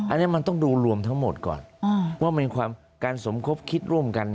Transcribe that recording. อันนี้มันต้องดูรวมทั้งหมดก่อนว่าการสมคบคิดร่วมกัน